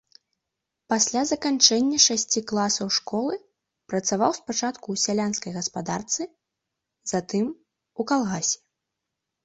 Пасля заканчэння шасці класаў школы працаваў спачатку ў сялянскай гаспадарцы, затым у калгасе.